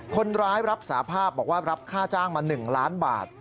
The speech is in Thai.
คนร้ายรับสาภาพบอกว่ารับค่าจ้างมา๑ล้านบาท